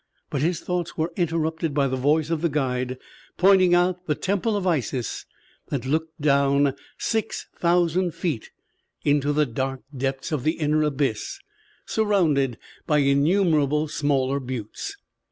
But his thoughts were interrupted by the voice of the guide pointing out the Temple of Isis that looks down six thousand feet into the dark depths of the inner abyss, surrounded by innumerable smaller buttes.